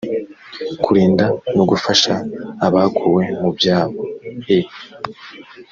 kurinda no gufasha abakuwe mu byabo i